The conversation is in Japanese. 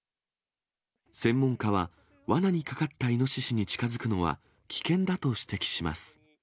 専門家は、わなにかかったイノシシに近づくのは危険だと指摘します。